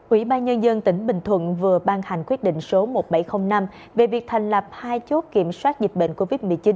ủy ban nhân dân tỉnh bình thuận vừa ban hành quyết định số một nghìn bảy trăm linh năm về việc thành lập hai chốt kiểm soát dịch bệnh covid một mươi chín